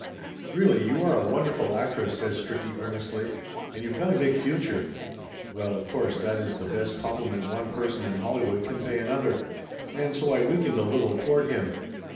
"Really you are a wonderful actress," says Stricky earnestly. "And you've got a big future !" Well, of course that is the best compliment one per son in Hollywood can pay another, and so I weakened a little toward him.